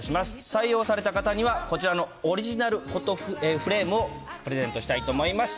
採用された方には、こちらのオリジナルフォトフレームをプレゼントしたいと思います。